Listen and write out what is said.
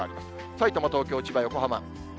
さいたま、東京、千葉、横浜。